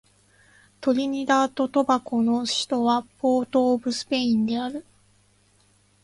トリニダード・トバゴの首都はポートオブスペインである